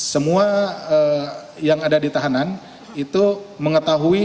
semua yang ada di tahanan itu mengetahui